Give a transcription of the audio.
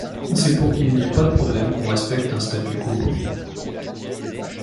C'est pour qu'il n'y ait pas de problèmes qu'on respecte un statu quo.